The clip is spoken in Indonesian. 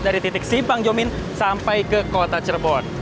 dari titik simpang jomin sampai ke kota cirebon